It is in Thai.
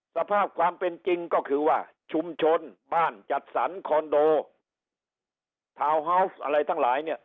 สภาพความเป็นจริงก็คือว่าชุมชนบ้านจัดสรรคอนโดทาวน์ฮาวส์อะไรทั้งหลายเนี่ย